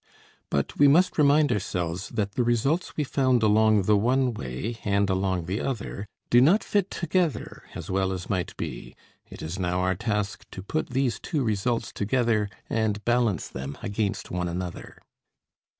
But we must remind ourselves that the results we found along the one way and along the other do not fit together as well as might be. It is now our task to put these two results together and balance them against one another.